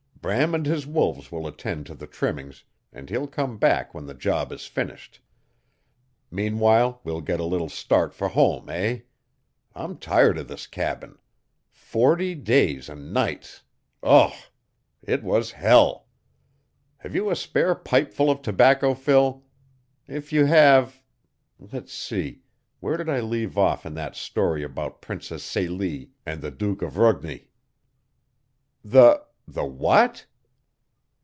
"Bram and his wolves will attend to the trimmings, and he'll come back when the job is finished. Meanwhile we'll get a little start for home, eh? I'm tired of this cabin. Forty days and nights UGH! it was HELL. Have you a spare pipeful of tobacco, Phil? If you have let's see, where did I leave off in that story about Princess Celie and the Duke of Rugni?" "The the WHAT?"